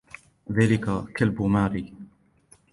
ذلك كلب ماري.